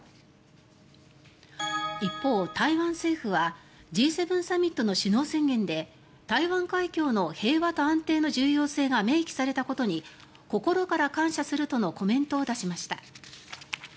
一方、台湾政府はＧ７サミットの首脳宣言で台湾海峡の平和と安定の重要性が明記されたことに心から感謝するとのコメントを出しました。